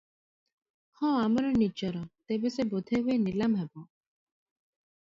ହଁ ଆମର ନିଜର- ତେବେ ସେ ବୋଧେ ହୁଏ ନିଲାମ ହେବ ।